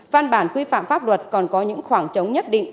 văn bản quy phạm pháp luật còn có những khoảng trống nhất định